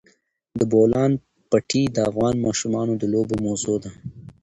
د بولان پټي د افغان ماشومانو د لوبو موضوع ده.